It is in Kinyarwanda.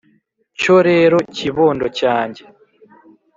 Cyo rero kibondo cyange